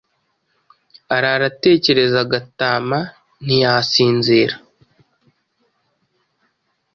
arara atekereza Gatama ntiyasinzira.